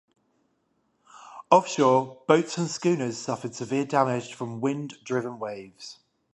Offshore, boats and schooners suffered severe damage from wind-driven waves.